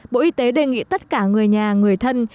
bộ y tế đề nghị tất cả người nhà người thân